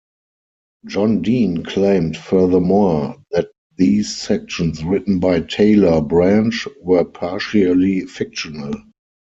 John Dean claimed furthermore that these sections written by Taylor Branch were partially fictional.